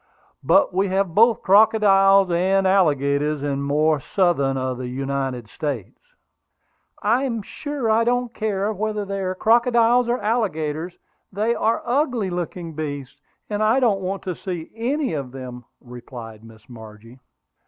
But we have both crocodiles and alligators in the more southern of the United States." "I am sure I don't care whether they are crocodiles or alligators; they are ugly looking beasts, and I don't want to see any of them," replied Miss Margie.